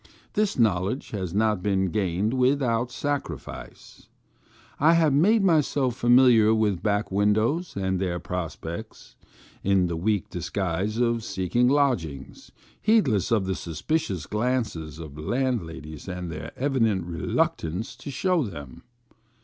This knowledge has not been gained without sacrifice. I have made myself familiar with back windows and their prospects, in the weak disguise of seeking lodg ings, heedless of the suspicious glances of land ladies and their evident reluctance to show them.